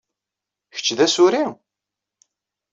Kečč d Asuri?